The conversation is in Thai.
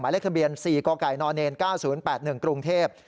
เลขทะเบียน๔กกน๙๐๘๑กรุงเทพฯ